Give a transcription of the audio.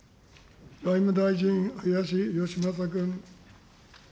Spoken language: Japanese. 外務大臣、林芳正君。